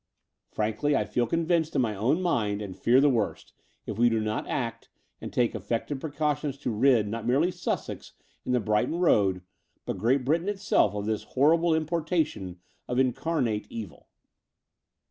Frankly I feel convinced in my own mind and fear the worst, if we do not act and take effective precautions to rid, not merely Sussex and the Brighton Road, but Great Britain itself of this horrible importation of incarnate evil."